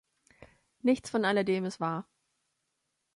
Nichts von alledem ist wahr.